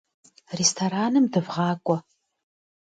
Rêstoranım dıvğak'ue.